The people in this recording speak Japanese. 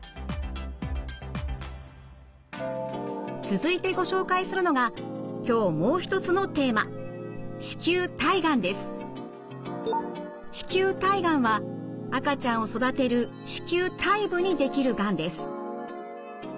続いてご紹介するのが今日もう一つのテーマ子宮体がんは赤ちゃんを育てる子宮体部に出来るがんです。